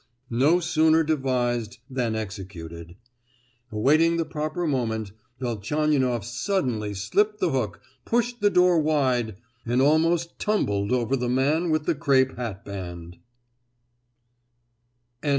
No sooner devised than executed. Awaiting the proper moment, Velchaninoff suddenly slipped the hook, pushed the door wide, and almost tumbled over the man with the crape hatband!